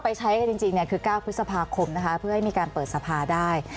ใช้กันจริงคือ๙พฤษภาคมนะคะเพื่อให้มีการเปิดสภาได้